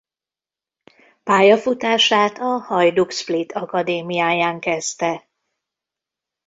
Pályafutását a Hajduk Split akadémiáján kezdte.